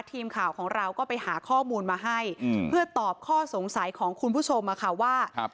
ทีมข่าวของเราก็ไปหาข้อมูลมาให้เพื่อตอบข้อสงสัยของคุณผู้ชมค่ะว่า